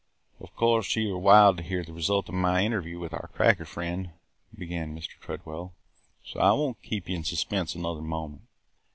"Of course you are wild to hear the result of my interview with our cracker friend," began Mr. Tredwell, "so I won't keep you in suspense another moment.